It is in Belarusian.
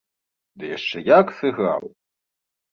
Ды яшчэ як сыграў!